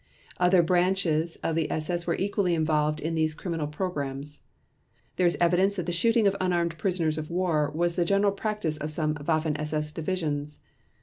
Other branches of the SS were equally involved in these criminal programs. There is evidence that the shooting of unarmed prisoners of war was the general practice in some Waffen SS divisions.